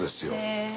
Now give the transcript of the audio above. へえ。